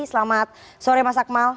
selamat sore mas akmal